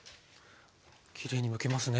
きれいにむけますね。